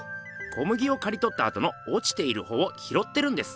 小麦をかりとったあとの落ちている穂を拾ってるんです。